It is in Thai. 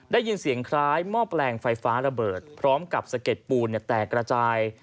ได้ยินเสียงคล้ายหม้อแปลงไฟฟ้าระเบิดพร้อมกับสะเก็ดปูนแตกกระจาย